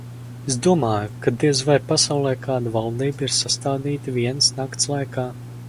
Es domāju, ka diez vai pasaulē kāda valdība ir sastādīta vienas nakts laikā.